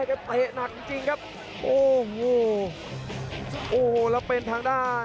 ดาบดำเล่นงานบนเวลาตัวด้วยหันขวา